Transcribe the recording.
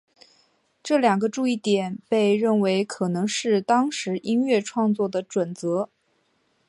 这两个注意点被认为可能是当时音乐创作的准则。